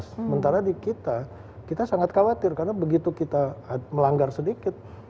sementara di kita kita sangat khawatir karena begitu kita melanggar sedikit